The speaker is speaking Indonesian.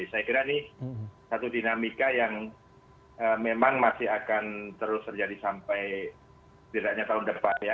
saya kira ini satu dinamika yang memang masih akan terus terjadi sampai tidaknya tahun depan ya